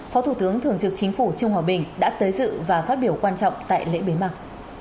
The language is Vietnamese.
phó thủ tướng thường trực chính phủ trương hòa bình đã tới dự và phát biểu quan trọng tại lễ bế mặc